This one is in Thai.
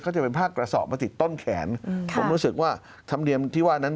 ก็จะเป็นภาคกระสอบมาติดต้นแขนผมรู้สึกว่าธรรมเนียมที่ว่านั้น